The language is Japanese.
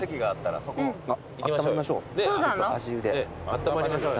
あったまりましょう。